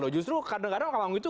justru kadang kadang ngomong itu